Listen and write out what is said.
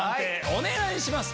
お願いします。